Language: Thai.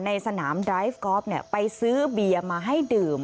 ในสนามดรายฟ์กอล์ฟไปซื้อเบียนมาให้ดื่ม